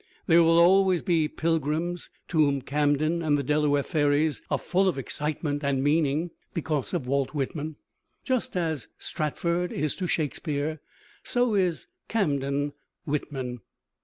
There will always be pilgrims to whom Camden and the Delaware ferries are full of excitement and meaning because of Walt Whitman. Just as Stratford is Shakespeare, so is Camden Whitman.